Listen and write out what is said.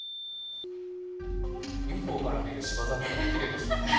ＵＦＯから見る芝桜もきれいでしょうね。